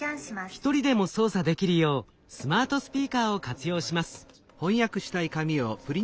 一人でも操作できるようスマートスピーカーを活用します。